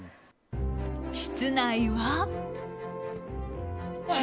室内は。